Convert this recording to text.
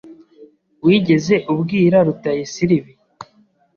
Wigeze ubwira Rutayisire ibi?